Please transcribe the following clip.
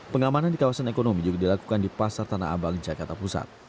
pengamanan di kawasan ekonomi juga dilakukan di pasar tanah abang jakarta pusat